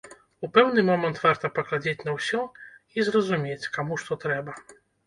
У пэўны момант варта паглядзець на ўсё і зразумець, каму што трэба.